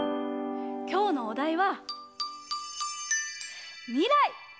きょうのおだいは「未来」！